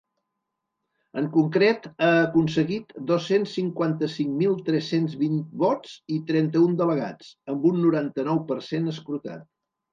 En concret, ha aconseguit dos-cents cinquanta-cinc mil tres-cents vint vots i trenta-un delegats, amb un noranta-nou per cent escrutat.